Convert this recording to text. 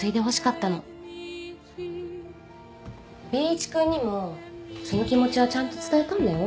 Ｂ一君にもその気持ちはちゃんと伝えたんだよ。